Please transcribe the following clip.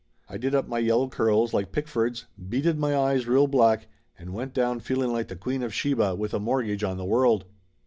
I did 96 Laughter Limited up my yellow curls like Pickford's, beaded my eyes real black, and went down feling like the Queen of Sheba with a mortgage on the world.